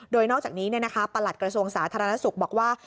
โดยนอกจากนี้ประหลัดกระทรวงสาธารณสุขบอกว่า